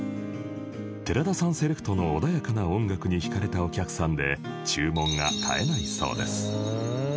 寺田さんセレクトの穏やかな音楽に惹かれたお客さんで注文が絶えないそうです